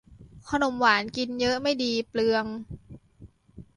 ขนมหวานกินเยอะไม่ดี เปลือง